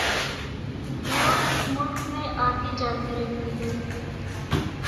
وہ اس ملک میں آتی جاتی رہتی ہے